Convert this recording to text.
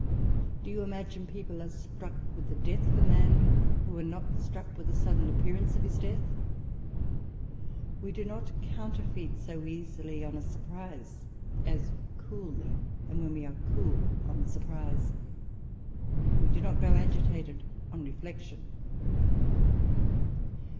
Do you imagine people are struck with the death of a man, who were not struck with the sudden appearance of his death 1 We do not counterfeit so easily on a surprise, as coolly ; and, when we are cool on surprise, we do not grow agitated on reflection.